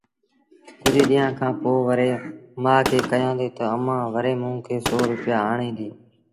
ڪجھ ڏيݩهآݩ کآݩ پو وري مآ کي ڪهيآݩدي تا امآݩ وري موݩ کي سو روپيآ آڻي ڏي